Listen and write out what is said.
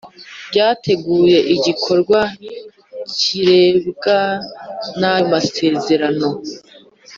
byateguye igikorwa kirebwa n ayo masezerano